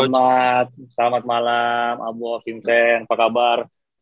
selamat malam abbo vincent apa kabar